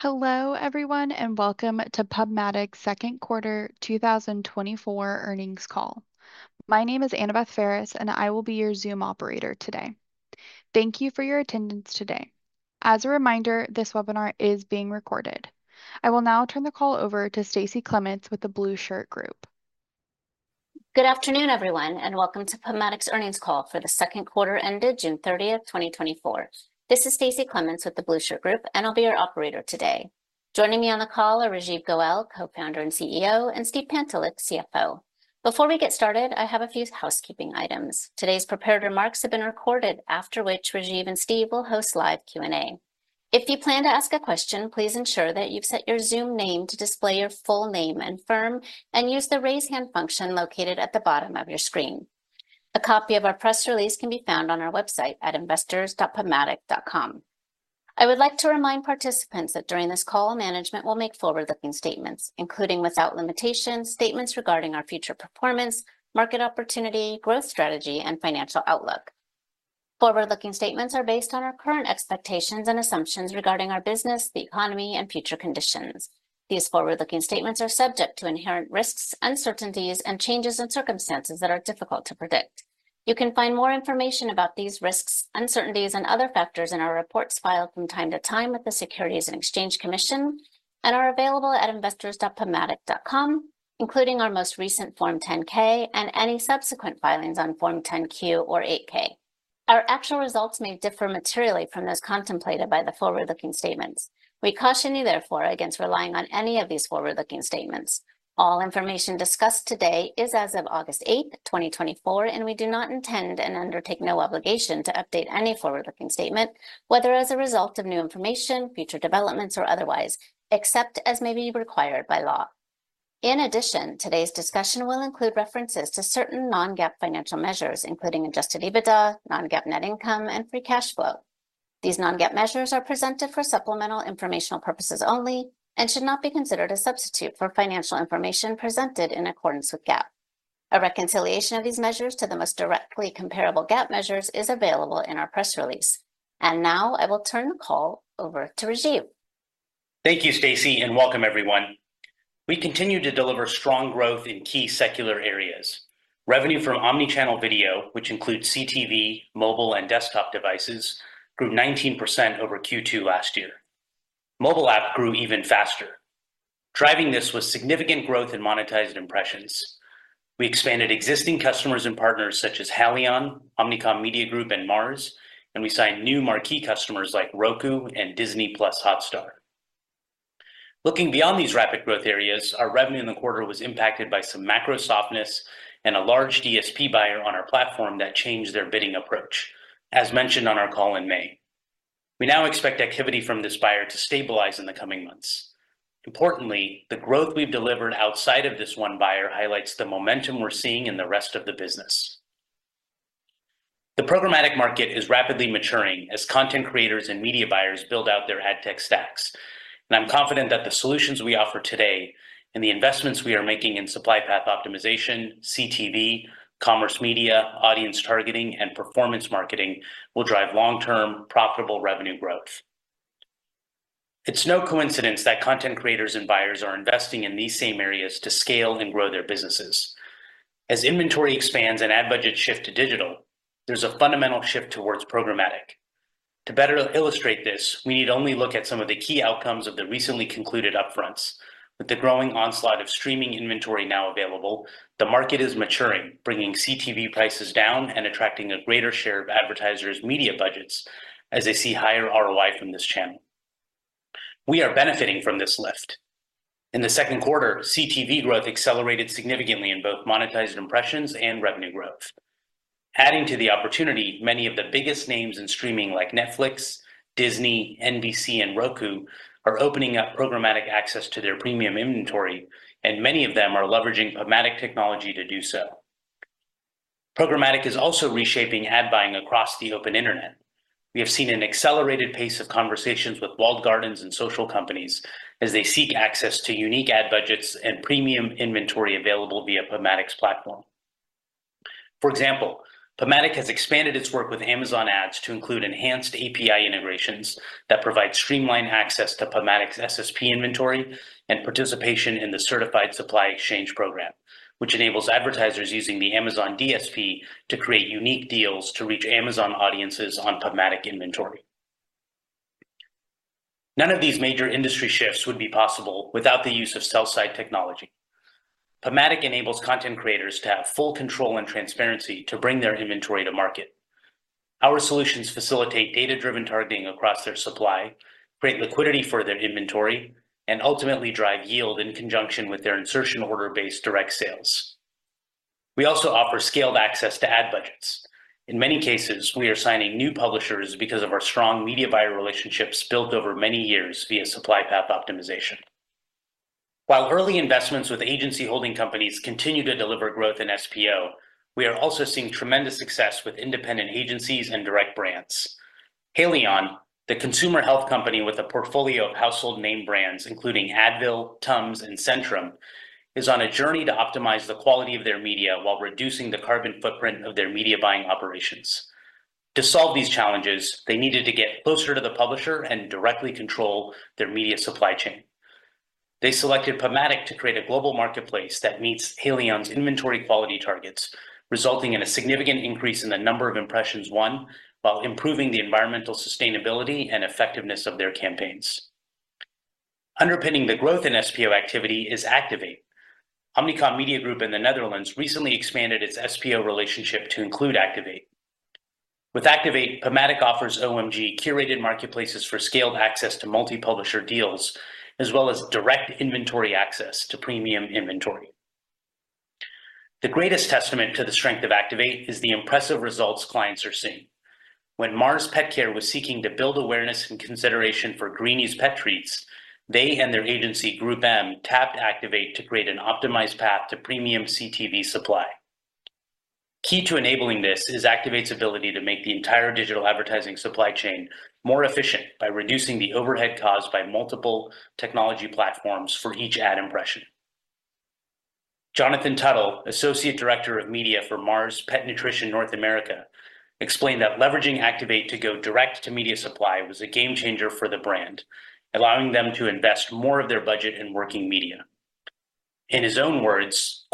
Hello, everyone, and welcome to PubMatic's second quarter 2024 earnings call. My name is Annabeth Ferris, and I will be your Zoom operator today. Thank you for your attendance today. As a reminder, this webinar is being recorded. I will now turn the call over to Stacie Clements with The Blueshirt Group. Good afternoon, everyone, and welcome to PubMatic's earnings call for the second quarter ended June 30, 2024. This is Stacy Clements with The Blueshirt Group, and I'll be your operator today. Joining me on the call are Rajeev Goel, Co-founder and CEO, and Steve Pantelick, CFO. Before we get started, I have a few housekeeping items. Today's prepared remarks have been recorded, after which Rajiv and Steve will host live Q&A. If you plan to ask a question, please ensure that you've set your Zoom name to display your full name and firm, and use the Raise Hand function located at the bottom of your screen. A copy of our press release can be found on our website at investors.pubmatic.com. I would like to remind participants that during this call, management will make forward-looking statements, including, without limitation, statements regarding our future performance, market opportunity, growth strategy, and financial outlook. Forward-looking statements are based on our current expectations and assumptions regarding our business, the economy, and future conditions. These forward-looking statements are subject to inherent risks, uncertainties, and changes in circumstances that are difficult to predict. You can find more information about these risks, uncertainties, and other factors in our reports filed from time to time with the Securities and Exchange Commission and are available at investors.pubmatic.com, including our most recent Form 10-K and any subsequent filings on Form 10-Q or 8-K. Our actual results may differ materially from those contemplated by the forward-looking statements. We caution you, therefore, against relying on any of these forward-looking statements. All information discussed today is as of August 8, 2024, and we do not intend and undertake no obligation to update any forward-looking statement, whether as a result of new information, future developments, or otherwise, except as may be required by law. In addition, today's discussion will include references to certain non-GAAP financial measures, including adjusted EBITDA, non-GAAP net income, and free cash flow. These non-GAAP measures are presented for supplemental informational purposes only and should not be considered a substitute for financial information presented in accordance with GAAP. A reconciliation of these measures to the most directly comparable GAAP measures is available in our press release. Now I will turn the call over to Rajiv. Thank you, Stacy, and welcome everyone. We continue to deliver strong growth in key secular areas. Revenue from omni-channel video, which includes CTV, mobile, and desktop devices, grew 19% over Q2 last year. Mobile app grew even faster. Driving this was significant growth in monetized impressions. We expanded existing customers and partners such as Haleon, Omnicom Media Group, and Mars, and we signed new marquee customers like Roku and Disney+ Hotstar. Looking beyond these rapid growth areas, our revenue in the quarter was impacted by some macro softness and a large DSP buyer on our platform that changed their bidding approach, as mentioned on our call in May. We now expect activity from this buyer to stabilize in the coming months. Importantly, the growth we've delivered outside of this one buyer highlights the momentum we're seeing in the rest of the business. The programmatic market is rapidly maturing as content creators and media buyers build out their ad tech stacks, and I'm confident that the solutions we offer today and the investments we are making in supply path optimization, CTV, commerce media, audience targeting, and performance marketing will drive long-term, profitable revenue growth. It's no coincidence that content creators and buyers are investing in these same areas to scale and grow their businesses. As inventory expands and ad budgets shift to digital, there's a fundamental shift towards programmatic. To better illustrate this, we need only look at some of the key outcomes of the recently concluded upfronts. With the growing onslaught of streaming inventory now available, the market is maturing, bringing CTV prices down and attracting a greater share of advertisers' media budgets as they see higher ROI from this channel. We are benefiting from this lift. In the second quarter, CTV growth accelerated significantly in both monetized impressions and revenue growth. Adding to the opportunity, many of the biggest names in streaming, like Netflix, Disney, NBC, and Roku, are opening up programmatic access to their premium inventory, and many of them are leveraging PubMatic technology to do so. programmatic is also reshaping ad buying across the open internet. We have seen an accelerated pace of conversations with walled gardens and social companies as they seek access to unique ad budgets and premium inventory available via PubMatic's platform. For example, PubMatic has expanded its work with Amazon Ads to include enhanced API integrations that provide streamlined access to PubMatic's SSP inventory and participation in the Certified Supply Exchange program, which enables advertisers using the Amazon DSP to create unique deals to reach Amazon audiences on PubMatic inventory. None of these major industry shifts would be possible without the use of sell-side technology. PubMatic enables content creators to have full control and transparency to bring their inventory to market. Our solutions facilitate data-driven targeting across their supply, create liquidity for their inventory, and ultimately drive yield in conjunction with their insertion order-based direct sales. We also offer scaled access to ad budgets. In many cases, we are signing new publishers because of our strong media buyer relationships built over many years via supply path optimization. While early investments with agency holding companies continue to deliver growth in SPO, we are also seeing tremendous success with independent agencies and direct brands. Haleon, the consumer health company with a portfolio of household name brands, including Advil, Tums, and Centrum, is on a journey to optimize the quality of their media while reducing the carbon footprint of their media buying operations.... To solve these challenges, they needed to get closer to the publisher and directly control their media supply chain. They selected PubMatic to create a global marketplace that meets Haleon's inventory quality targets, resulting in a significant increase in the number of impressions won, while improving the environmental sustainability and effectiveness of their campaigns. Underpinning the growth in SPO activity is Activate. Omnicom Media Group in the Netherlands recently expanded its SPO relationship to include Activate. With Activate, PubMatic offers OMG curated marketplaces for scaled access to multi-publisher deals, as well as direct inventory access to premium inventory. The greatest testament to the strength of Activate is the impressive results clients are seeing. When Mars Petcare was seeking to build awareness and consideration for Greenies pet treats, they and their agency, GroupM, tapped Activate to create an optimized path to premium CTV supply. Key to enabling this is Activate's ability to make the entire digital advertising supply chain more efficient by reducing the overhead caused by multiple technology platforms for each ad impression. Jonathan Tuttle, Associate Director of Media for Mars Pet Nutrition North America, explained that leveraging Activate to go direct to media supply was a game changer for the brand, allowing them to invest more of their budget in working media. In his own words,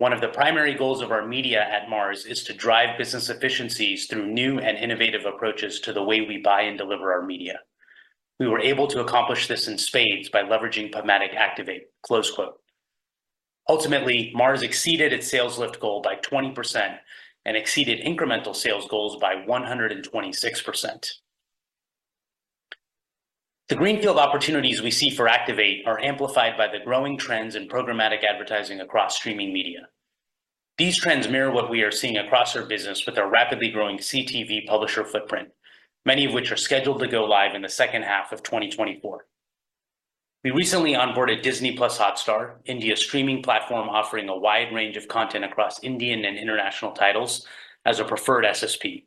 "One of the primary goals of our media at Mars is to drive business efficiencies through new and innovative approaches to the way we buy and deliver our media. We were able to accomplish this in spades by leveraging PubMatic Activate." Ultimately, Mars exceeded its sales lift goal by 20% and exceeded incremental sales goals by 126%. The greenfield opportunities we see for Activate are amplified by the growing trends in programmatic advertising across streaming media. These trends mirror what we are seeing across our business with our rapidly growing CTV publisher footprint, many of which are scheduled to go live in the second half of 2024. We recently onboarded Disney+ Hotstar, India's streaming platform, offering a wide range of content across Indian and international titles, as a preferred SSP.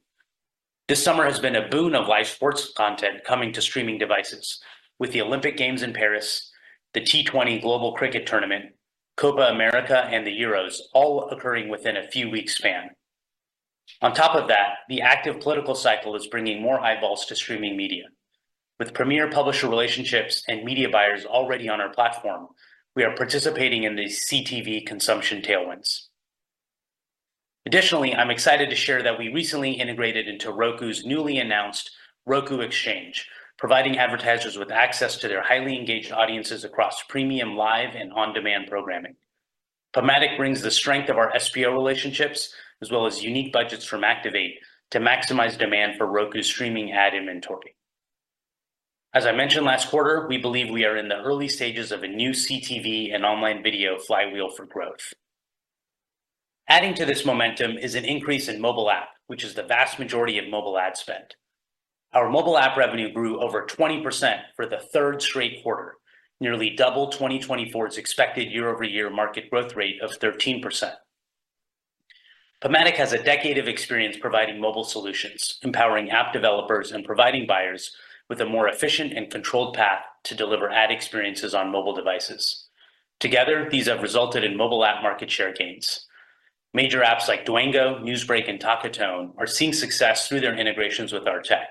This summer has been a boon of live sports content coming to streaming devices with the Olympic Games in Paris, the T20 Global Cricket Tournament, Copa America, and the Euros, all occurring within a few weeks' span. On top of that, the active political cycle is bringing more eyeballs to streaming media. With premier publisher relationships and media buyers already on our platform, we are participating in the CTV consumption tailwinds. Additionally, I'm excited to share that we recently integrated into Roku's newly announced Roku Exchange, providing advertisers with access to their highly engaged audiences across premium live and on-demand programming. PubMatic brings the strength of our SPO relationships, as well as unique budgets from Activate, to maximize demand for Roku's streaming ad inventory. As I mentioned last quarter, we believe we are in the early stages of a new CTV and online video flywheel for growth. Adding to this momentum is an increase in mobile app, which is the vast majority of mobile ad spend. Our mobile app revenue grew over 20% for the third straight quarter, nearly double 2024's expected year-over-year market growth rate of 13%. PubMatic has a decade of experience providing mobile solutions, empowering app developers, and providing buyers with a more efficient and controlled path to deliver ad experiences on mobile devices. Together, these have resulted in mobile app market share gains. Major apps like Dwango, NewsBreak, and Talkatone are seeing success through their integrations with our tech.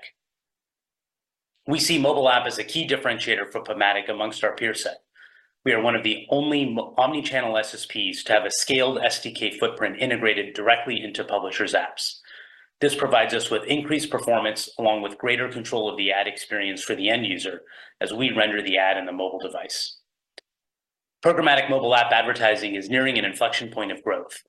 We see mobile app as a key differentiator for PubMatic amongst our peer set. We are one of the only omni-channel SSPs to have a scaled SDK footprint integrated directly into publishers' apps. This provides us with increased performance, along with greater control of the ad experience for the end user as we render the ad in the mobile device. Programmatic mobile app advertising is nearing an inflection point of growth.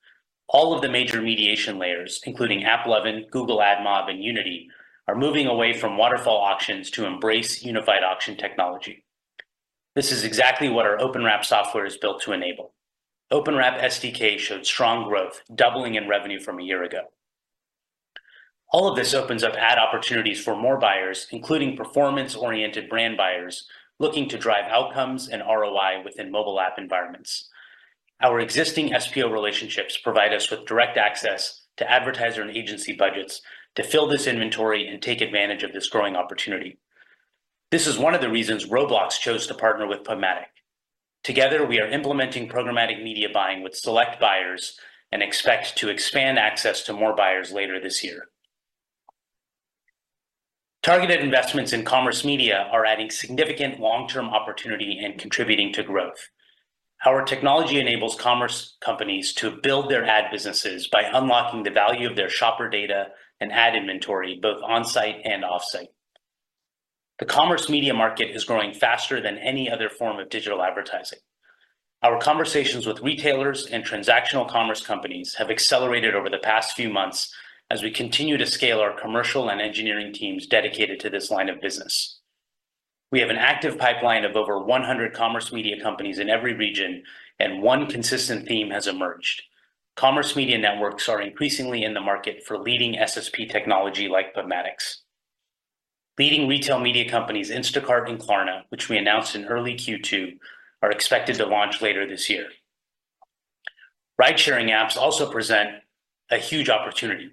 All of the major mediation layers, including AppLovin, Google AdMob, and Unity, are moving away from waterfall auctions to embrace unified auction technology. This is exactly what our OpenWrap software is built to enable. OpenWrap SDK showed strong growth, doubling in revenue from a year ago. All of this opens up ad opportunities for more buyers, including performance-oriented brand buyers looking to drive outcomes and ROI within mobile app environments. Our existing SPO relationships provide us with direct access to advertiser and agency budgets to fill this inventory and take advantage of this growing opportunity. This is one of the reasons Roblox chose to partner with PubMatic. Together, we are implementing programmatic media buying with select buyers and expect to expand access to more buyers later this year. Targeted investments in commerce media are adding significant long-term opportunity and contributing to growth. Our technology enables commerce companies to build their ad businesses by unlocking the value of their shopper data and ad inventory, both on-site and off-site. The commerce media market is growing faster than any other form of digital advertising. Our conversations with retailers and transactional commerce companies have accelerated over the past few months as we continue to scale our commercial and engineering teams dedicated to this line of business. We have an active pipeline of over 100 commerce media companies in every region, and one consistent theme has emerged. Commerce media networks are increasingly in the market for leading SSP technology like PubMatic's. Leading retail media companies, Instacart and Klarna, which we announced in early Q2, are expected to launch later this year. Ridesharing apps also present a huge opportunity.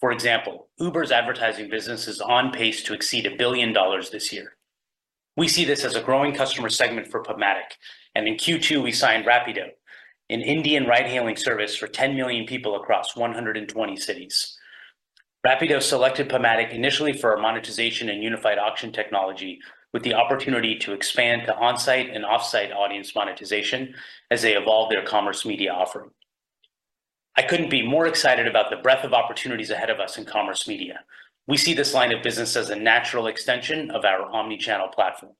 For example, Uber's advertising business is on pace to exceed $1 billion this year. We see this as a growing customer segment for PubMatic, and in Q2, we signed Rapido, an Indian ride-hailing service for 10 million people across 120 cities. Rapido selected PubMatic initially for our monetization and unified auction technology, with the opportunity to expand to on-site and off-site audience monetization as they evolve their commerce media offering. I couldn't be more excited about the breadth of opportunities ahead of us in commerce media. We see this line of business as a natural extension of our omni-channel platform.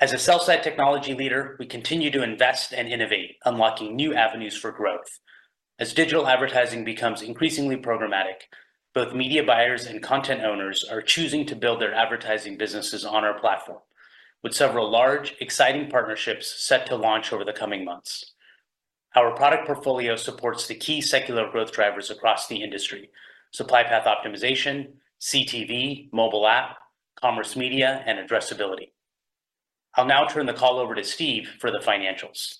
As a sell-side technology leader, we continue to invest and innovate, unlocking new avenues for growth. As digital advertising becomes increasingly programmatic, both media buyers and content owners are choosing to build their advertising businesses on our platform, with several large, exciting partnerships set to launch over the coming months. Our product portfolio supports the key secular growth drivers across the industry: supply path optimization, CTV, mobile app, commerce media, and addressability. I'll now turn the call over to Steve for the financials.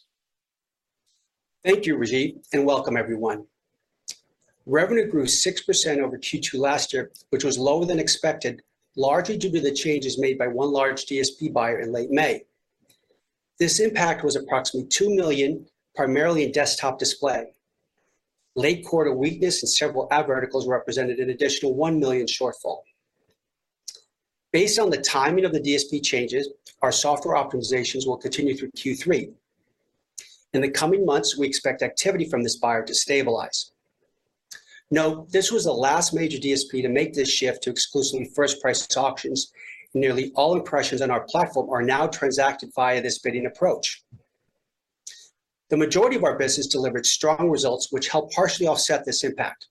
Thank you, Rajiv, and welcome everyone. Revenue grew 6% over Q2 last year, which was lower than expected, largely due to the changes made by one large DSP buyer in late May. This impact was approximately $2 million, primarily in desktop display. Late quarter weakness in several ad verticals represented an additional $1 million shortfall. Based on the timing of the DSP changes, our software optimizations will continue through Q3. In the coming months, we expect activity from this buyer to stabilize. Note, this was the last major DSP to make this shift to exclusively first-price auctions. Nearly all impressions on our platform are now transacted via this bidding approach. The majority of our business delivered strong results, which helped partially offset this impact.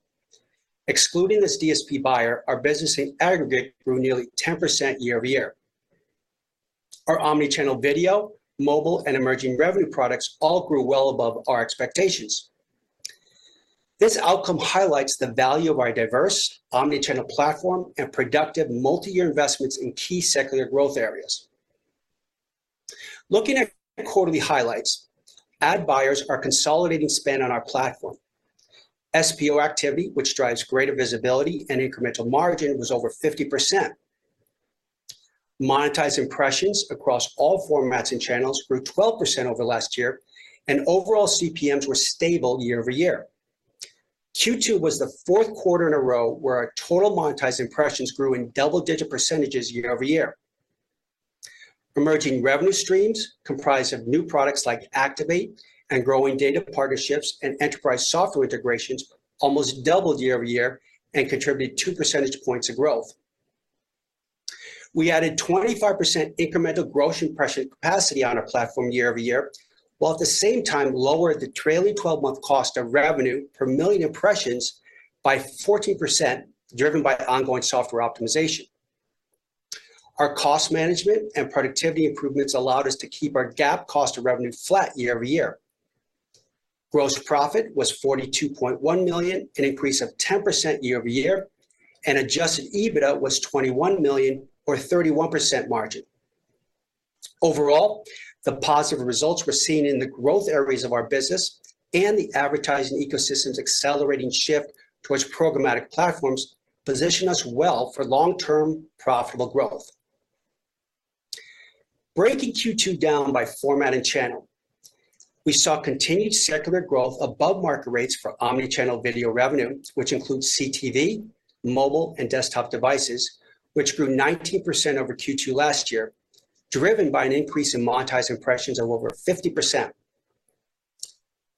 Excluding this DSP buyer, our business in aggregate grew nearly 10% year-over-year. Our omni-channel video, mobile, and emerging revenue products all grew well above our expectations. This outcome highlights the value of our diverse omni-channel platform and productive multi-year investments in key secular growth areas. Looking at quarterly highlights, ad buyers are consolidating spend on our platform. SPO activity, which drives greater visibility and incremental margin, was over 50%. Monetized impressions across all formats and channels grew 12% over last year, and overall CPMs were stable year-over-year. Q2 was the fourth quarter in a row where our total monetized impressions grew in double-digit percentages year-over-year. Emerging revenue streams, comprised of new products like Activate and growing data partnerships and enterprise software integrations, almost doubled year-over-year and contributed two percentage points of growth. We added 25% incremental gross impression capacity on our platform year-over-year, while at the same time lowered the trailing twelve-month cost of revenue per million impressions by 14%, driven by ongoing software optimization. Our cost management and productivity improvements allowed us to keep our GAAP cost of revenue flat year-over-year. Gross profit was $42.1 million, an increase of 10% year-over-year, and Adjusted EBITDA was $21 million, or 31% margin. Overall, the positive results were seen in the growth areas of our business and the advertising ecosystem's accelerating shift towards programmatic platforms position us well for long-term, profitable growth. Breaking Q2 down by format and channel, we saw continued secular growth above market rates for omni-channel video revenue, which includes CTV, mobile, and desktop devices, which grew 19% over Q2 last year, driven by an increase in monetized impressions of over 50%.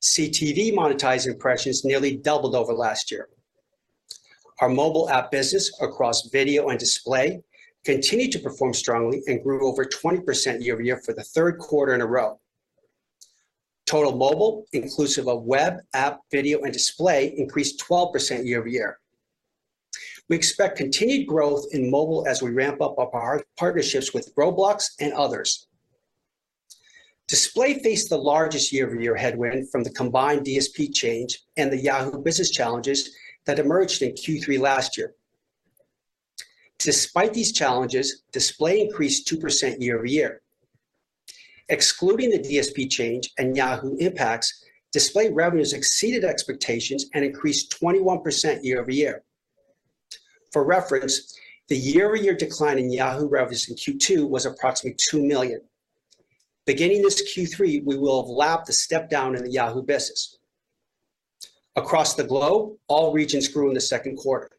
CTV monetized impressions nearly doubled over last year. Our mobile app business across video and display continued to perform strongly and grew over 20% year-over-year for the third quarter in a row. Total mobile, inclusive of web, app, video, and display, increased 12% year-over-year. We expect continued growth in mobile as we ramp up our partnerships with Roblox and others. Display faced the largest year-over-year headwind from the combined DSP change and the Yahoo business challenges that emerged in Q3 last year. Despite these challenges, display increased 2% year-over-year. Excluding the DSP change and Yahoo impacts, display revenues exceeded expectations and increased 21% year-over-year. For reference, the year-over-year decline in Yahoo revenues in Q2 was approximately $2 million. Beginning this Q3, we will have lapped the step down in the Yahoo business. Across the globe, all regions grew in the second quarter.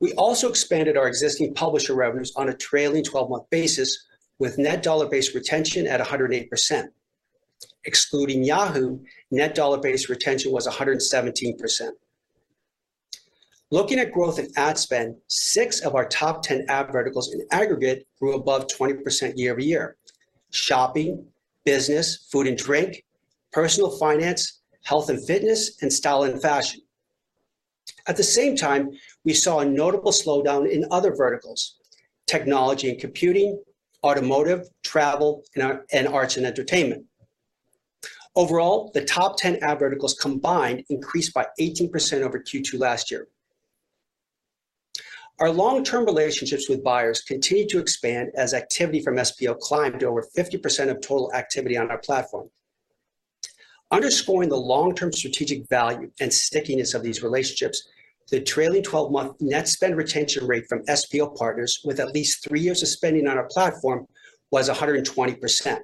We also expanded our existing publisher revenues on a trailing twelve-month basis, with net dollar-based retention at 108%. Excluding Yahoo, net dollar-based retention was 117%. Looking at growth in ad spend, 6 of our top 10 ad verticals in aggregate grew above 20% year-over-year: shopping, business, food and drink, personal finance, health and fitness, and style and fashion. At the same time, we saw a notable slowdown in other verticals: technology and computing, automotive, travel, and arts and entertainment. Overall, the top ten ad verticals combined increased by 18% over Q2 last year. Our long-term relationships with buyers continued to expand as activity from SPO climbed to over 50% of total activity on our platform. Underscoring the long-term strategic value and stickiness of these relationships, the trailing 12-month net spend retention rate from SPO partners with at least 3 years of spending on our platform was 120%.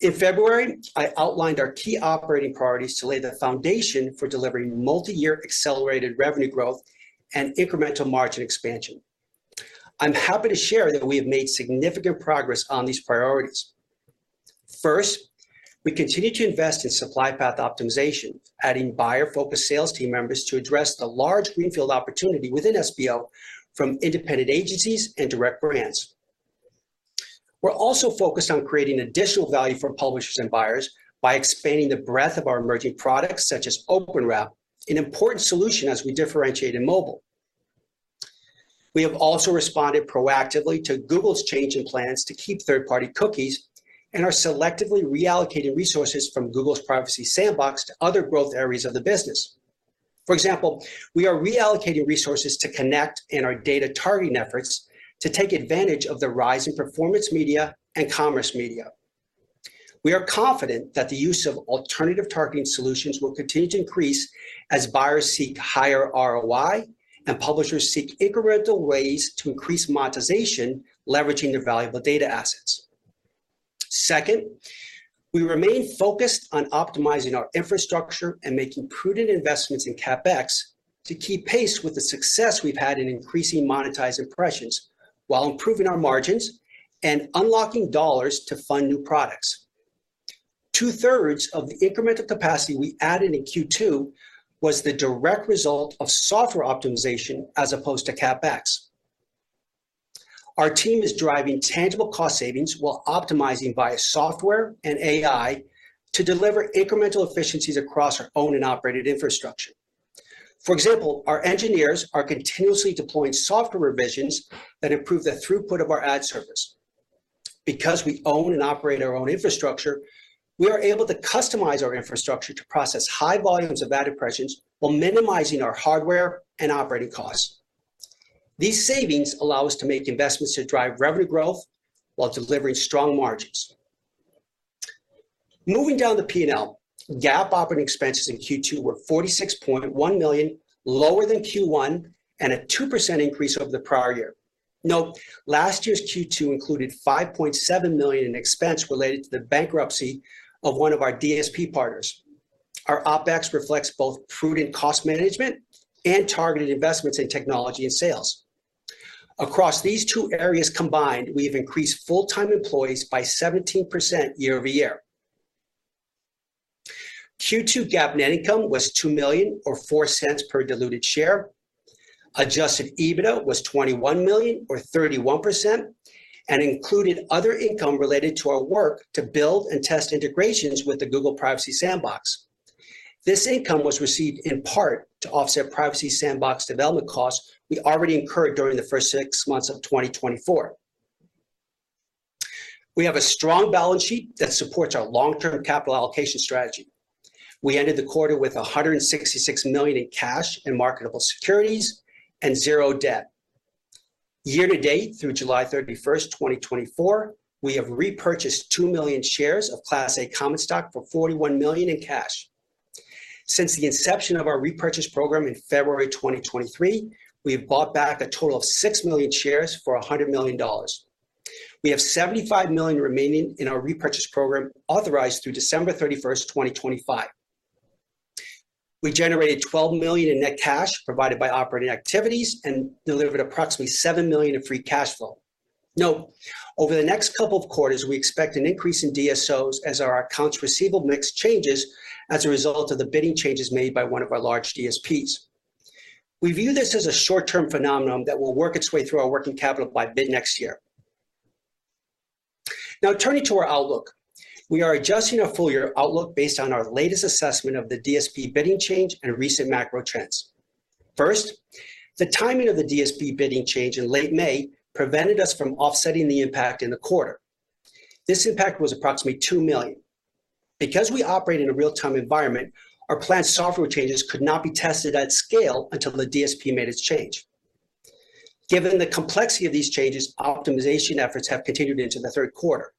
In February, I outlined our key operating priorities to lay the foundation for delivering multi-year accelerated revenue growth and incremental margin expansion. I'm happy to share that we have made significant progress on these priorities. First, we continue to invest in supply path optimization, adding buyer-focused sales team members to address the large greenfield opportunity within SPO from independent agencies and direct brands. We're also focused on creating additional value for publishers and buyers by expanding the breadth of our emerging products, such as OpenWrap, an important solution as we differentiate in mobile. We have also responded proactively to Google's change in plans to keep third-party cookies and are selectively reallocating resources from Google's Privacy Sandbox to other growth areas of the business. For example, we are reallocating resources to Connect in our data targeting efforts to take advantage of the rise in performance media and commerce media. We are confident that the use of alternative targeting solutions will continue to increase as buyers seek higher ROI and publishers seek incremental ways to increase monetization, leveraging their valuable data assets. Second, we remain focused on optimizing our infrastructure and making prudent investments in CapEx to keep pace with the success we've had in increasing monetized impressions while improving our margins and unlocking dollars to fund new products. Two-thirds of the incremental capacity we added in Q2 was the direct result of software optimization as opposed to CapEx. Our team is driving tangible cost savings while optimizing via software and AI to deliver incremental efficiencies across our owned and operated infrastructure. For example, our engineers are continuously deploying software revisions that improve the throughput of our ad service. Because we own and operate our own infrastructure, we are able to customize our infrastructure to process high volumes of ad impressions while minimizing our hardware and operating costs. These savings allow us to make investments to drive revenue growth while delivering strong margins. Moving down the P&L, GAAP operating expenses in Q2 were $46.1 million, lower than Q1 and a 2% increase over the prior year. Note, last year's Q2 included $5.7 million in expense related to the bankruptcy of one of our DSP partners. Our OpEx reflects both prudent cost management and targeted investments in technology and sales. Across these two areas combined, we've increased full-time employees by 17% year-over-year. Q2 GAAP net income was $2 million or $0.04 per diluted share. Adjusted EBITDA was $21 million or 31% and included other income related to our work to build and test integrations with the Google Privacy Sandbox. This income was received in part to offset Privacy Sandbox development costs we already incurred during the first six months of 2024. We have a strong balance sheet that supports our long-term capital allocation strategy. We ended the quarter with $166 million in cash and marketable securities and 0 debt. Year to date, through July 31, 2024, we have repurchased 2 million shares of Class A common stock for $41 million in cash. Since the inception of our repurchase program in February 2023, we have bought back a total of 6 million shares for $100 million. We have $75 million remaining in our repurchase program, authorized through December 31, 2025. We generated $12 million in net cash provided by operating activities and delivered approximately $7 million in free cash flow. Note, over the next couple of quarters, we expect an increase in DSOs as our accounts receivable mix changes as a result of the bidding changes made by one of our large DSPs. We view this as a short-term phenomenon that will work its way through our working capital by mid-next year. Now, turning to our outlook. We are adjusting our full-year outlook based on our latest assessment of the DSP bidding change and recent macro trends. First, the timing of the DSP bidding change in late May prevented us from offsetting the impact in the quarter. This impact was approximately $2 million. Because we operate in a real-time environment, our planned software changes could not be tested at scale until the DSP made its change. Given the complexity of these changes, optimization efforts have continued into the third quarter.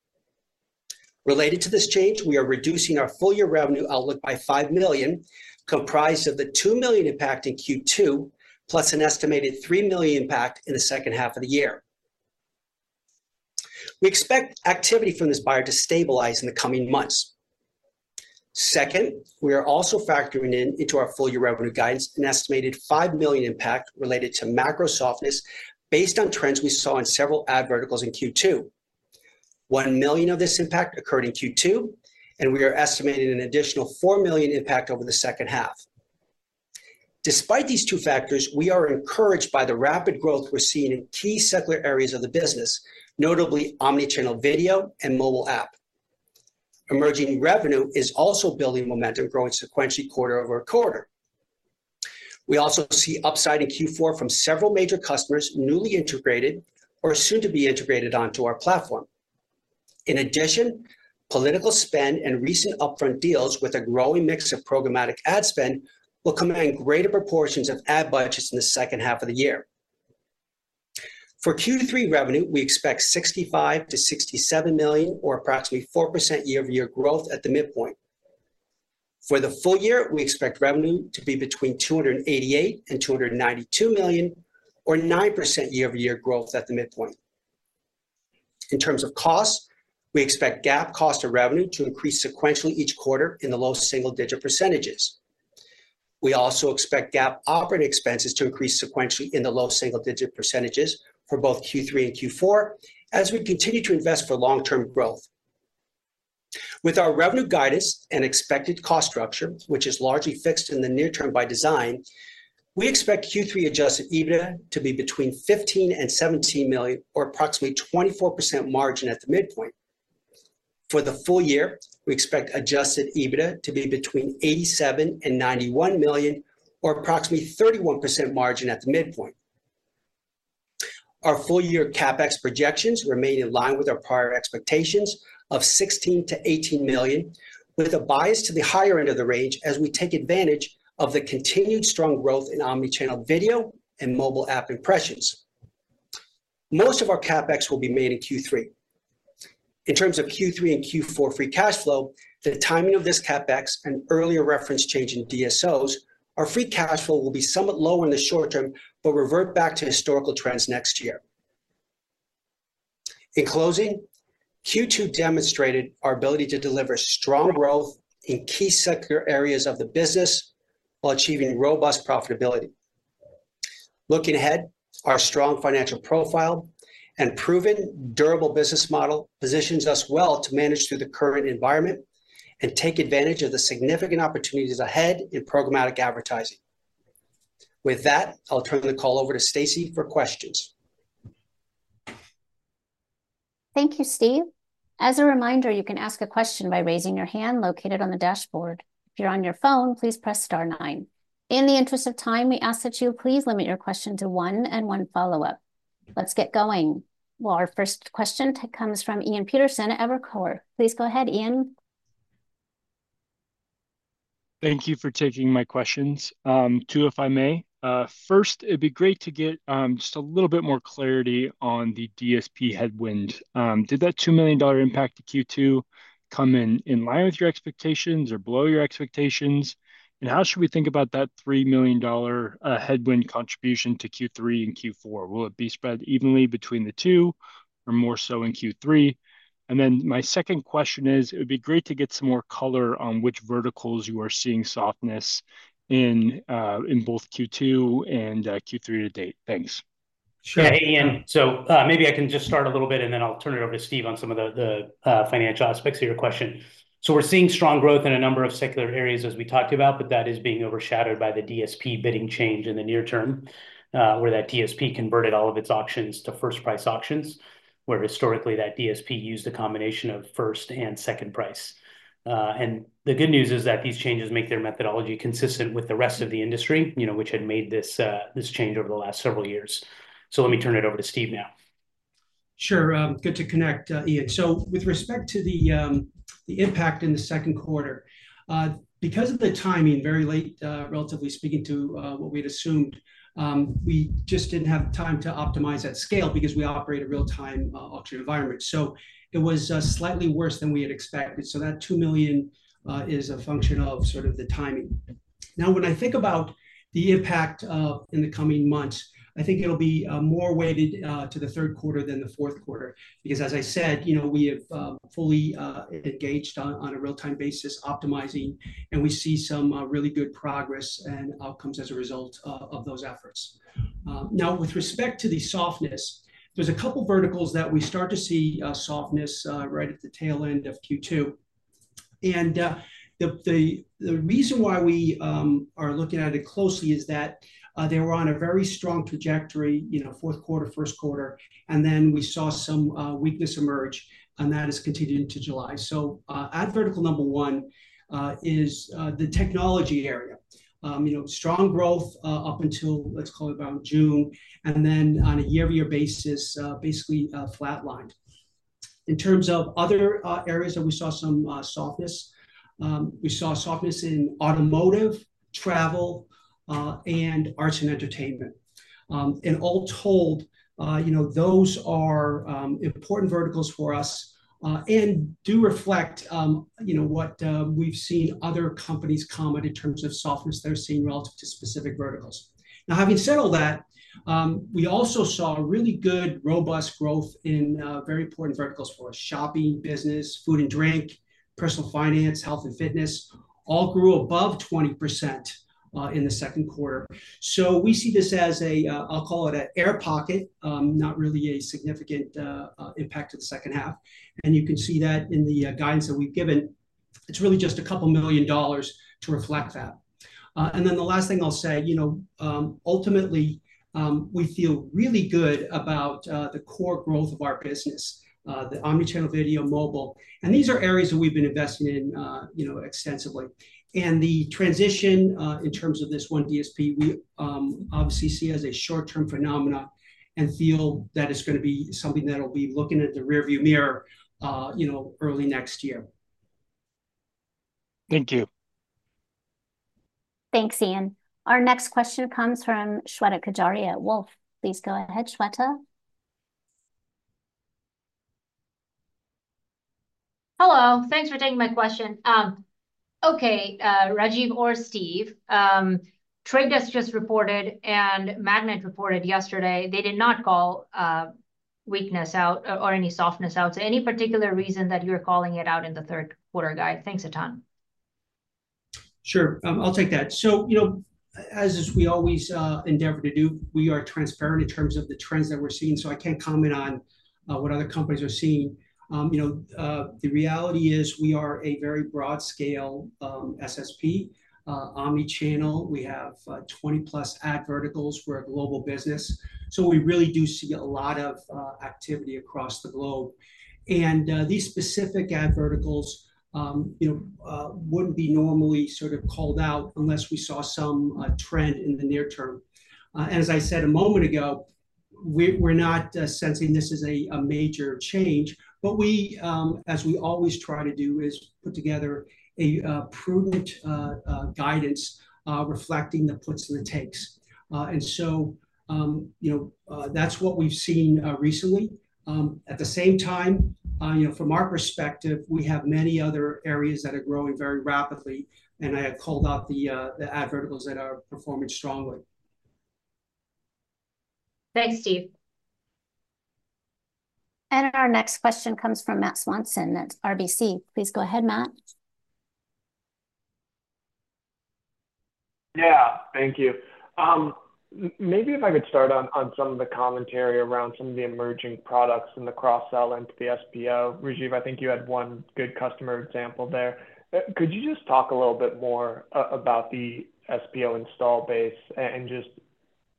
Related to this change, we are reducing our full-year revenue outlook by $5 million, comprised of the $2 million impact in Q2, plus an estimated $3 million impact in the second half of the year. We expect activity from this buyer to stabilize in the coming months. Second, we are also factoring in into our full-year revenue guidance, an estimated $5 million impact related to macro softness based on trends we saw in several ad verticals in Q2. $1 million of this impact occurred in Q2, and we are estimating an additional $4 million impact over the second half. Despite these two factors, we are encouraged by the rapid growth we're seeing in key secular areas of the business, notably Omni-channel video and mobile app. Emerging revenue is also building momentum, growing sequentially quarter-over-quarter. We also see upside in Q4 from several major customers newly integrated or soon to be integrated onto our platform. In addition, political spend and recent upfront deals with a growing mix of programmatic ad spend will command greater proportions of ad budgets in the second half of the year. For Q3 revenue, we expect $65 million-$67 million, or approximately 4% year-over-year growth at the midpoint. For the full year, we expect revenue to be between $288 million and $292 million, or 9% year-over-year growth at the midpoint. In terms of costs, we expect GAAP cost of revenue to increase sequentially each quarter in the low single-digit %. We also expect GAAP operating expenses to increase sequentially in the low single-digit % for both Q3 and Q4, as we continue to invest for long-term growth. With our revenue guidance and expected cost structure, which is largely fixed in the near term by design, we expect Q3 Adjusted EBITDA to be between $15 million and $17 million, or approximately 24% margin at the midpoint. For the full year, we expect Adjusted EBITDA to be between $87 million and $91 million, or approximately 31% margin at the midpoint. Our full-year CapEx projections remain in line with our prior expectations of $16 million-$18 million, with a bias to the higher end of the range as we take advantage of the continued strong growth in omni-channel video and mobile app impressions. Most of our CapEx will be made in Q3. In terms of Q3 and Q4 free cash flow, the timing of this CapEx and earlier reference change in DSOs, our free cash flow will be somewhat low in the short term, but revert back to historical trends next year. In closing, Q2 demonstrated our ability to deliver strong growth in key secular areas of the business while achieving robust profitability. Looking ahead, our strong financial profile and proven durable business model positions us well to manage through the current environment and take advantage of the significant opportunities ahead in programmatic advertising. With that, I'll turn the call over to Stacy for questions. Thank you, Steve. As a reminder, you can ask a question by raising your hand located on the dashboard. If you're on your phone, please press star nine. In the interest of time, we ask that you please limit your question to one and one follow-up. Let's get going. Well, our first question comes from Ian Peterson at Evercore. Please go ahead, Ian. Thank you for taking my questions. Two, if I may. First, it'd be great to get just a little bit more clarity on the DSP headwind. Did that $2 million impact to Q2 come in in line with your expectations or below your expectations? And how should we think about that $3 million headwind contribution to Q3 and Q4? Will it be spread evenly between the two or more so in Q3? And then my second question is, it would be great to get some more color on which verticals you are seeing softness in in both Q2 and Q3 to date. Thanks. Sure. Hey, Ian. So, maybe I can just start a little bit, and then I'll turn it over to Steve on some of the financial aspects of your question. So we're seeing strong growth in a number of secular areas, as we talked about, but that is being overshadowed by the DSP bidding change in the near term, where that DSP converted all of its auctions to first price auctions, where historically, that DSP used a combination of first and second price. And the good news is that these changes make their methodology consistent with the rest of the industry, you know, which had made this change over the last several years. So let me turn it over to Steve now. Sure. Good to connect, Ian. So with respect to the impact in the second quarter, because of the timing, very late, relatively speaking to what we'd assumed, we just didn't have time to optimize at scale because we operate a real-time auction environment. So it was slightly worse than we had expected. So that $2 million is a function of sort of the timing. Now, when I think about the impact in the coming months, I think it'll be more weighted to the third quarter than the fourth quarter. Because, as I said, you know, we have fully engaged on a real-time basis, optimizing, and we see some really good progress and outcomes as a result of those efforts. Now, with respect to the softness, there's a couple verticals that we start to see softness right at the tail end of Q2. And, the reason why we are looking at it closely is that they were on a very strong trajectory, you know, fourth quarter, first quarter, and then we saw some weakness emerge, and that has continued into July. So, ad vertical number one is the technology area. You know, strong growth up until, let's call it, around June, and then on a year-over-year basis, basically flatlined. In terms of other areas that we saw some softness, we saw softness in automotive, travel, and arts and entertainment. And all told, you know, those are important verticals for us, and do reflect, you know, what we've seen other companies comment in terms of softness they're seeing relative to specific verticals. Now, having said all that, we also saw a really good, robust growth in very important verticals for us. Shopping, business, food and drink, personal finance, health and fitness, all grew above 20% in the second quarter. So we see this as a, I'll call it an air pocket, not really a significant impact to the second half. And you can see that in the guidance that we've given. It's really just $2 million to reflect that. Then the last thing I'll say, you know, ultimately, we feel really good about the core growth of our business, the omni-channel video, mobile. These are areas that we've been investing in, you know, extensively. The transition in terms of this one DSP, we obviously see as a short-term phenomena and feel that it's gonna be something that'll be looking in the rearview mirror, you know, early next year. Thank you.... Thanks, Ian. Our next question comes from Shweta Khajuria at Wolfe. Please go ahead, Shweta. Hello. Thanks for taking my question. Okay, Rajiv or Steve, Trade Desk just reported, and Magnite reported yesterday they did not call weakness out or any softness out. So any particular reason that you're calling it out in the third quarter guide? Thanks a ton. Sure. I'll take that. So, you know, as we always endeavor to do, we are transparent in terms of the trends that we're seeing, so I can't comment on what other companies are seeing. You know, the reality is we are a very broad scale SSP, omni-channel. We have 20+ ad verticals. We're a global business, so we really do see a lot of activity across the globe. And these specific ad verticals, you know, wouldn't be normally sort of called out unless we saw some trend in the near term. As I said a moment ago, we're not sensing this is a major change, but we, as we always try to do, is put together a prudent guidance reflecting the puts and the takes. So, you know, that's what we've seen recently. At the same time, you know, from our perspective, we have many other areas that are growing very rapidly, and I have called out the ad verticals that are performing strongly. Thanks, Steve. Our next question comes from Matt Swanson at RBC. Please go ahead, Matt. Yeah, thank you. Maybe if I could start on some of the commentary around some of the emerging products and the cross-sell into the SPO. Rajiv, I think you had one good customer example there. Could you just talk a little bit more about the SPO install base and just,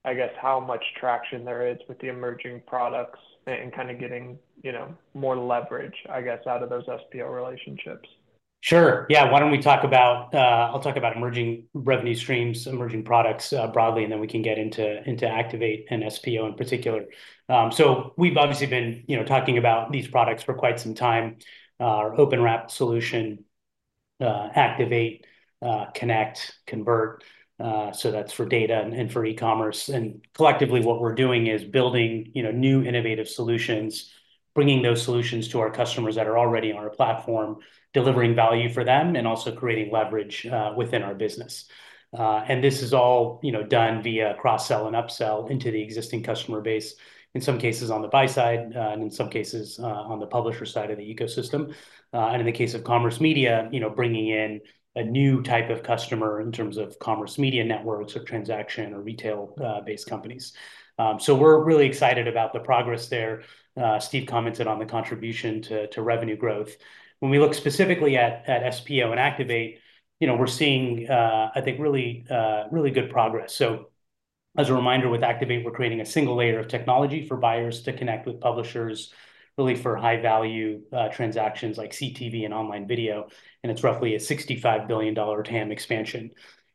I guess, how much traction there is with the emerging products and kind of getting, you know, more leverage, I guess, out of those SPO relationships? Sure, yeah. Why don't we talk about... I'll talk about emerging revenue streams, emerging products, broadly, and then we can get into, into Activate and SPO in particular. So we've obviously been, you know, talking about these products for quite some time, our OpenWrap solution, Activate, Connect, Convert, so that's for data and, and for e-commerce. And collectively, what we're doing is building, you know, new innovative solutions, bringing those solutions to our customers that are already on our platform, delivering value for them, and also creating leverage, within our business. And this is all, you know, done via cross-sell and up-sell into the existing customer base, in some cases on the buy side, and in some cases, on the publisher side of the ecosystem. And in the case of commerce media, you know, bringing in a new type of customer in terms of commerce media networks or transaction or retail, based companies. So we're really excited about the progress there. Steve commented on the contribution to revenue growth. When we look specifically at SPO and Activate, you know, we're seeing, I think, really, really good progress. So as a reminder, with Activate, we're creating a single layer of technology for buyers to connect with publishers, really for high-value, transactions like CTV and online video, and it's roughly a $65 billion TAM expansion.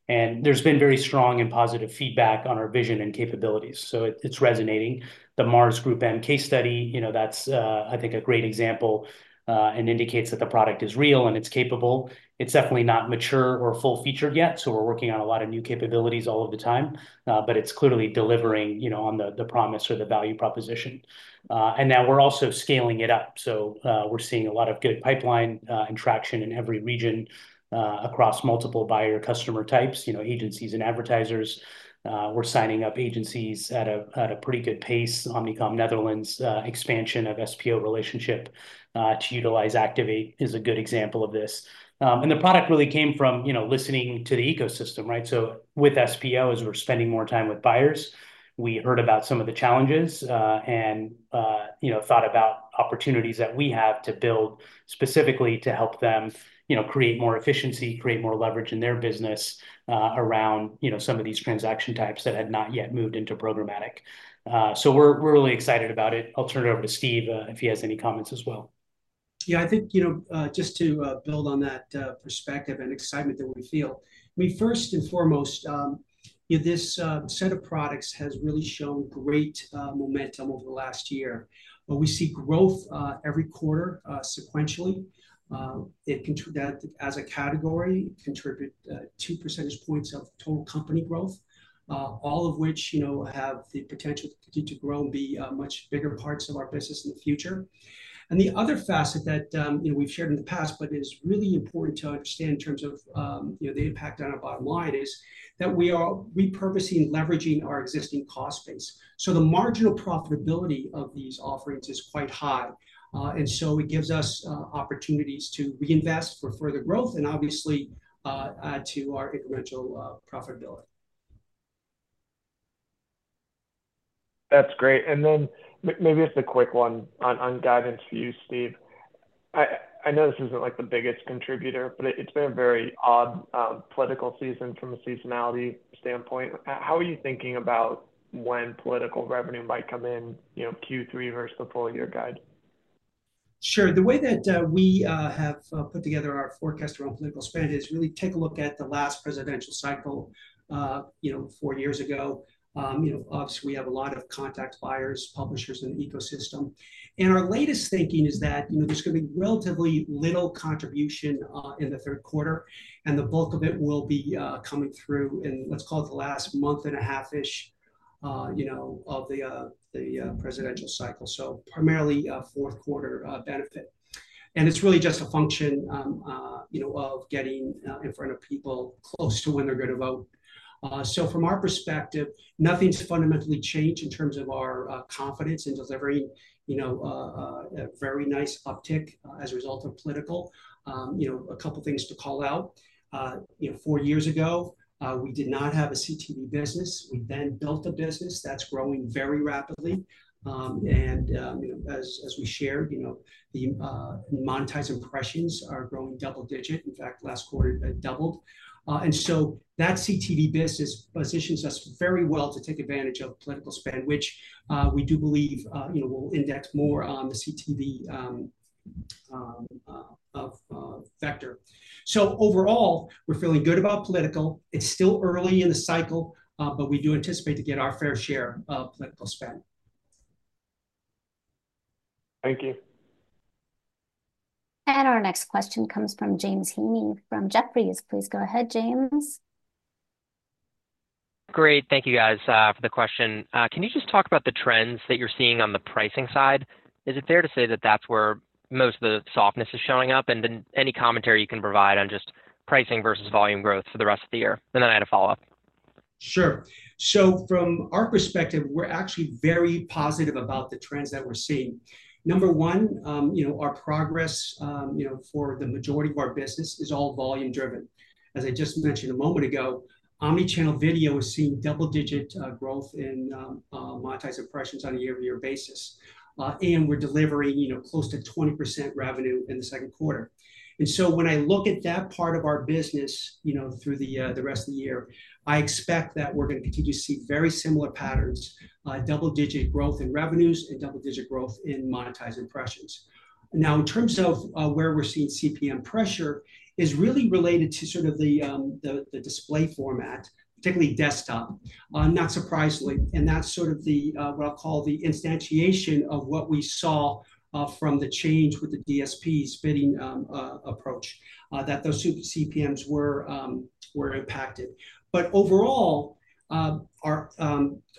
And there's been very strong and positive feedback on our vision and capabilities, so it's resonating. The Mars group and case study, you know, that's, I think, a great example, and indicates that the product is real, and it's capable. It's definitely not mature or full-featured yet, so we're working on a lot of new capabilities all of the time, but it's clearly delivering, you know, on the promise or the value proposition. And now we're also scaling it up, so, we're seeing a lot of good pipeline, and traction in every region, across multiple buyer customer types, you know, agencies and advertisers. We're signing up agencies at a pretty good pace. Omnicom Netherlands, expansion of SPO relationship, to utilize Activate is a good example of this. And the product really came from, you know, listening to the ecosystem, right? So with SPO, as we're spending more time with buyers, we heard about some of the challenges, and you know, thought about opportunities that we have to build specifically to help them, you know, create more efficiency, create more leverage in their business, around you know, some of these transaction types that had not yet moved into programmatic. So we're really excited about it. I'll turn it over to Steve, if he has any comments as well. Yeah, I think, you know, just to build on that perspective and excitement that we feel. We first and foremost, you know, this set of products has really shown great momentum over the last year, but we see growth every quarter sequentially. That as a category contributes two percentage points of total company growth, all of which, you know, have the potential to continue to grow and be much bigger parts of our business in the future. And the other facet that, you know, we've shared in the past, but is really important to understand in terms of, you know, the impact on our bottom line, is that we are repurposing and leveraging our existing cost base. The marginal profitability of these offerings is quite high, and so it gives us opportunities to reinvest for further growth and obviously add to our incremental profitability. That's great. And then maybe just a quick one on guidance for you, Steve. I know this isn't, like, the biggest contributor, but it's been a very odd political season from a seasonality standpoint. How are you thinking about when political revenue might come in, you know, Q3 versus the full year guide? Sure. The way that we have put together our forecast around political spend is really take a look at the last presidential cycle—you know, four years ago. You know, obviously, we have a lot of contact buyers, publishers in the ecosystem. And our latest thinking is that, you know, there's gonna be relatively little contribution in the third quarter, and the bulk of it will be coming through in, let's call it the last month-and-a-half-ish, you know, of the presidential cycle. So primarily, fourth quarter, benefit. And it's really just a function, you know, of getting in front of people close to when they're gonna vote. So from our perspective, nothing's fundamentally changed in terms of our confidence in delivering, you know, a very nice uptick as a result of political. You know, a couple things to call out. You know, four years ago, we did not have a CTV business. We then built a business that's growing very rapidly. As we shared, you know, the monetized impressions are growing double digit. In fact, last quarter, it doubled. And so that CTV business positions us very well to take advantage of political spend, which we do believe, you know, will index more on the CTV vector. So overall, we're feeling good about political. It's still early in the cycle, but we do anticipate to get our fair share of political spend. Thank you. Our next question comes from James Heaney from Jefferies. Please go ahead, James. Great. Thank you, guys, for the question. Can you just talk about the trends that you're seeing on the pricing side? Is it fair to say that that's where most of the softness is showing up? And then, any commentary you can provide on just pricing versus volume growth for the rest of the year, and then I had a follow-up. Sure. So from our perspective, we're actually very positive about the trends that we're seeing. Number one, you know, our progress, you know, for the majority of our business is all volume driven. As I just mentioned a moment ago, omnichannel video is seeing double-digit growth in monetized impressions on a year-over-year basis. And we're delivering, you know, close to 20% revenue in the second quarter. And so when I look at that part of our business, you know, through the rest of the year, I expect that we're gonna continue to see very similar patterns, double digit growth in revenues and double digit growth in monetized impressions. Now, in terms of where we're seeing CPM pressure, is really related to sort of the display format, particularly desktop, not surprisingly, and that's sort of what I'll call the instantiation of what we saw from the change with the DSPs bidding approach, that those such CPMs were impacted. But overall, our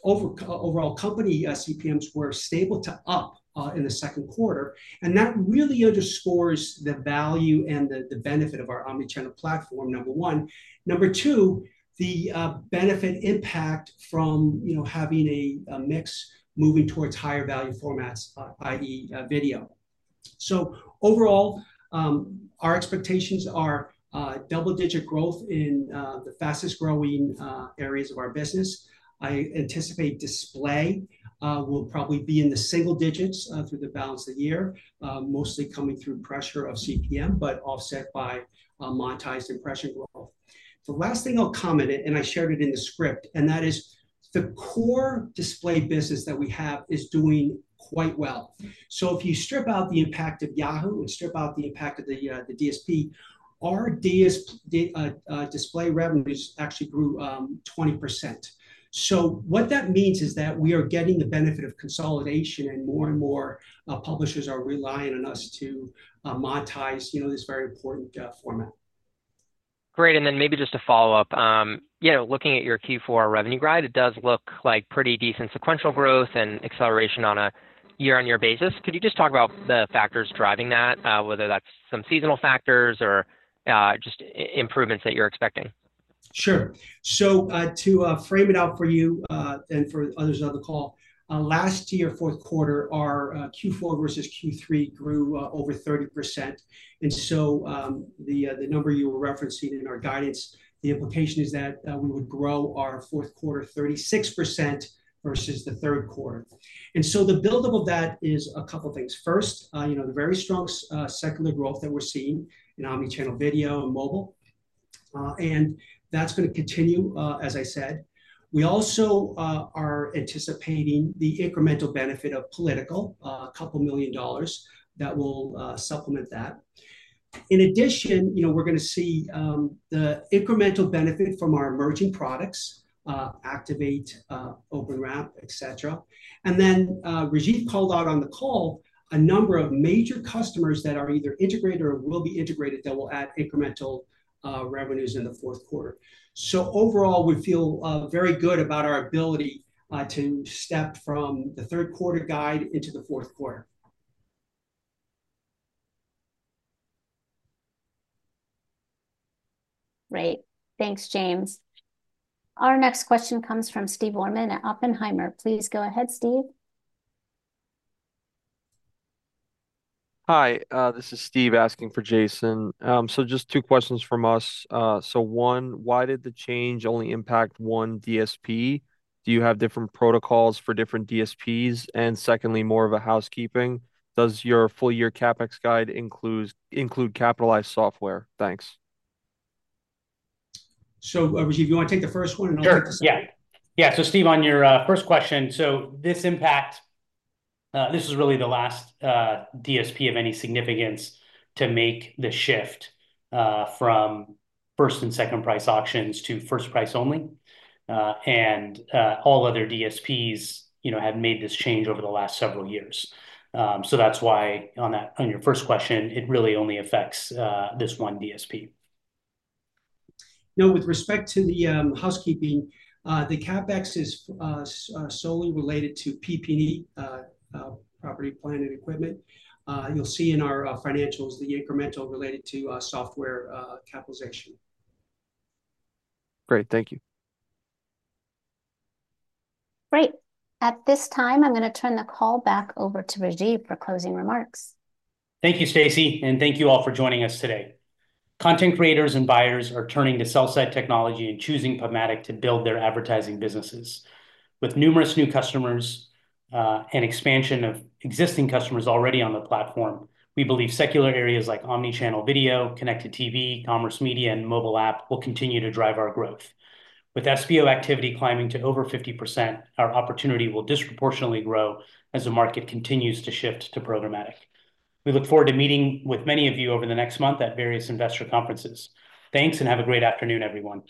overall company CPMs were stable to up in the second quarter, and that really underscores the value and the benefit of our omnichannel platform, number one. Number two, the benefit impact from, you know, having a mix moving towards higher value formats, i.e., video. So overall, our expectations are double-digit growth in the fastest growing areas of our business. I anticipate display will probably be in the single digits through the balance of the year, mostly coming through pressure of CPM, but offset by monetized impression growth. The last thing I'll comment, and I shared it in the script, and that is, the core display business that we have is doing quite well. So if you strip out the impact of Yahoo and strip out the impact of the DSP, our display revenues actually grew 20%. So what that means is that we are getting the benefit of consolidation, and more and more publishers are relying on us to monetize, you know, this very important format. Great, and then maybe just to follow up, you know, looking at your Q4 revenue guide, it does look like pretty decent sequential growth and acceleration on a year-on-year basis. Could you just talk about the factors driving that, whether that's some seasonal factors or just improvements that you're expecting? Sure. So, to frame it out for you and for others on the call, last year, fourth quarter, our Q4 versus Q3 grew over 30%. And so, the number you were referencing in our guidance, the implication is that we would grow our fourth quarter 36% versus the third quarter. And so the build-up of that is a couple things. First, you know, the very strong secular growth that we're seeing in omnichannel video and mobile, and that's gonna continue, as I said. We also are anticipating the incremental benefit of political, $2 million that will supplement that. In addition, you know, we're gonna see the incremental benefit from our emerging products, Activate, OpenWrap, et cetera. And then, Rajiv called out on the call, a number of major customers that are either integrated or will be integrated, that will add incremental revenues in the fourth quarter. So overall, we feel very good about our ability to step from the third quarter guide into the fourth quarter. Great. Thanks, James. Our next question comes from Steve Orman at Oppenheimer. Please go ahead, Steve. Hi, this is Steve asking for Jason. So just two questions from us. So one, why did the change only impact one DSP? Do you have different protocols for different DSPs? And secondly, more of a housekeeping: Does your full-year CapEx guide include capitalized software? Thanks. So, Rajiv, you want to take the first one, and I'll take the second? Sure, yeah. Yeah, so Steve, on your first question, so this impact, this is really the last DSP of any significance to make the shift from first and second price auctions to first price only. And all other DSPs, you know, have made this change over the last several years. So that's why on that, on your first question, it really only affects this one DSP. Now, with respect to the housekeeping, the CapEx is solely related to PPE, property, plant, and equipment. You'll see in our financials the incremental related to software capitalization. Great, thank you. Great. At this time, I'm gonna turn the call back over to Rajiv for closing remarks. Thank you, Stacy, and thank you all for joining us today. Content creators and buyers are turning to sell-side technology and choosing Programmatic to build their advertising businesses. With numerous new customers, and expansion of existing customers already on the platform, we believe secular areas like omnichannel, video, connected TV, commerce, media, and mobile app will continue to drive our growth. With SPO activity climbing to over 50%, our opportunity will disproportionately grow as the market continues to shift to programmatic. We look forward to meeting with many of you over the next month at various investor conferences. Thanks, and have a great afternoon, everyone.